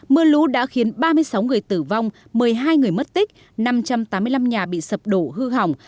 mưa lũ đã khiến ba mươi sáu người tử vong một mươi hai người mất tích năm trăm tám mươi năm nhà bị sập đổ hư hỏng